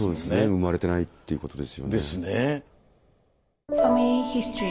生まれてないっていうことですよね。